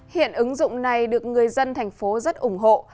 hiện ứng dụng này được người dân thành phố rất ủng hộ